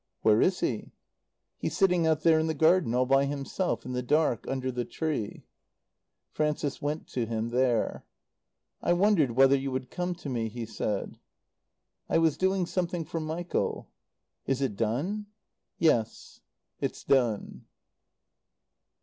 "Where is he?" "He's sitting out there in the garden, all by himself, in the dark, under the tree." Frances went to him there. "I wondered whether you would come to me," he said. "I was doing something for Michael." "Is it done?" "Yes. It's done."